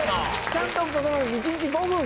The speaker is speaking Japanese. ちゃんとこの。